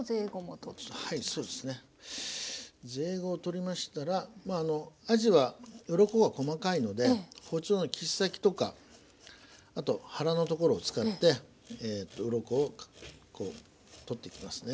ゼイゴを取りましたらあじはウロコは細かいので包丁の切っ先とかあと腹の所を使ってウロコをこう取っていきますね。